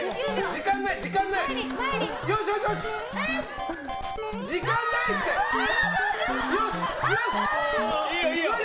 時間ない、時間ない！